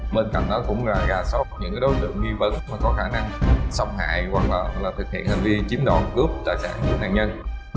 bên cạnh đó cũng là gà sót những đối tượng nghi vấn mà có khả năng xâm hại hoặc là thực hiện hành vi chiếm đoạt cướp tài sản của nạn nhân